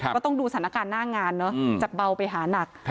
ก็ต้องดูสถานการณ์หน้างานเนอะจากเบาไปหานัก